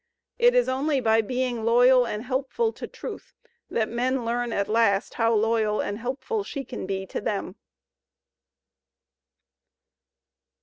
It is only by being loyal and helpful to Truth that men learn at last how loyal and helpful she can be to them."